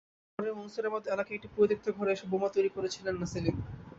নগরের মনসুরাবাদ এলাকায় একটি পরিত্যক্ত ঘরে এসব বোমা তৈরি করছিলেন সেলিম।